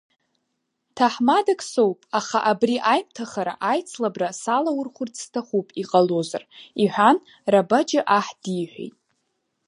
Ҭаҳмадак соуп, аха абри аимҭахара, аицлабра салаурхәырц сҭахуп иҟалозар, — иҳәан Рабаџьы аҳ диҳәеит.